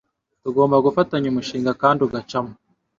Tugomba gufatanya umushinga kandi ugacamo.